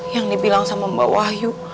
yang dibilang sama mbak wahyu